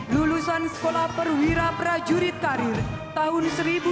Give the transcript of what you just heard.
lulusan sekolah perwira prajurit karir tahun seribu sembilan ratus sembilan puluh